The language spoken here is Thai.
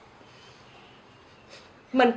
แล้วบอกว่าไม่รู้นะ